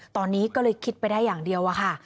ตอนนี้ก็เลยคิดไปได้อย่างเดียวอะค่ะ